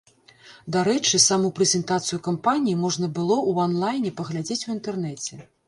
Дарэчы, саму прэзентацыю кампаніі можна было ў ан-лайне паглядзець у інтэрнэце.